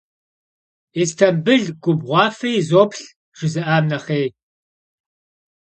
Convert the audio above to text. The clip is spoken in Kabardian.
«Yistambıl gubğuafe yizoplh» jjızı'am nexhêy.